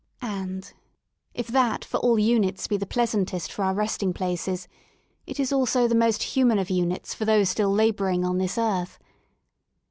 And, if that for all units be the pleasantest for our resting places, it is also the most human of units for those still labouring on this earth.